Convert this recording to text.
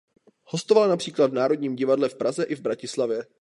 Hostovala například v Národním divadle v Praze i v Bratislavě.